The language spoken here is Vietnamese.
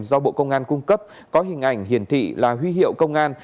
do bộ công an cung cấp có hình ảnh hiển thị là huy hiệu công an